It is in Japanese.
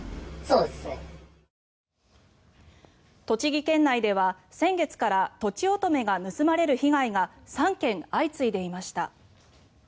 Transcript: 栃木県内では先月からとちおとめが盗まれる被害が３件相次いでいました。